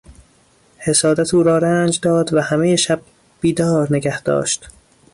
حسادت او را رنج داد و همه شب بیدار نگه داشت.